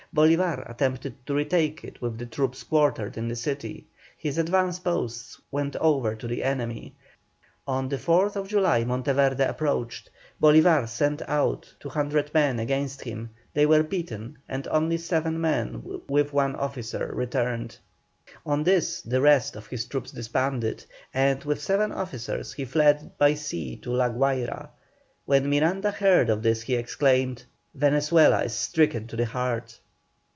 Bolívar attempted to retake it with the troops quartered in the city; his advance posts went over to the enemy. On the 4th July Monteverde approached; Bolívar sent out 200 men against him. They were beaten, and only seven men with one officer returned. On this the rest of his troops disbanded, and, with seven officers, he fled by sea to La Guayra. When Miranda heard of this he exclaimed, "Venezuela is stricken to the heart."